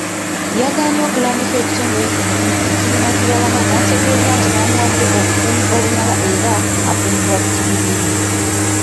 Yagaanye okulambika ekitongole kyennyini ekirina Kibalama n'ategeeza nti bamuwadde obukuumi obumala era akuumibwa butiribiri.